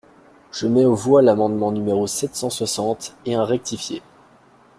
Je mets aux voix l’amendement numéro sept cent soixante et un rectifié.